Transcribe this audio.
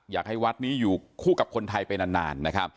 อยากให้วัดนี้อยู่คู่กับคนไทยไปนานนะครับ